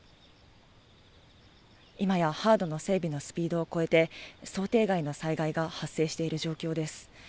今やハードの整備のスピードを超えて、想定外の災害が発生している状況です。